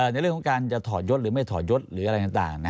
ในเรื่องของการจะถอดยศหรือไม่ถอดยศหรืออะไรต่าง